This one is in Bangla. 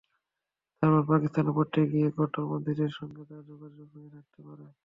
তারপর পাকিস্তানে পড়তে গিয়ে কট্টরপন্থীদের সঙ্গে তাঁর যোগাযোগ হয়ে থাকতে পারে।